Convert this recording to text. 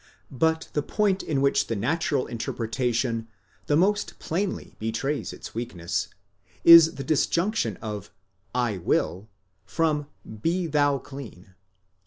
But the point in which the. natural interpretation the most plainly betrays its weakness, is the disjunc tion of θέλω, J will, from καθαρίσθητι, be thou clean.